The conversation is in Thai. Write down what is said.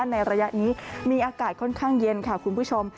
ในระยะนี้มีอากาศค่อนข้างเย็นค่ะคุณผู้ชม